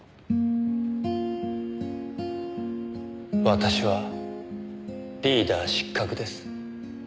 私はリーダー失格です。